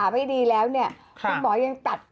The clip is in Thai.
ไม่ใช่หัวหนมเค้าค่ะ